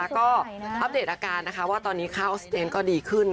ก็อัปเดตอาการว่าตอนนี้ค่าออกซิเจนก็ดีขึ้น